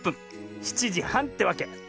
７じはんってわけ。